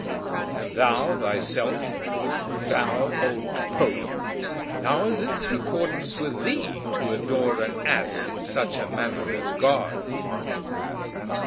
And thou thyself, thou old pope, how is it in accordance with thee, to adore an ass in such a manner as God?"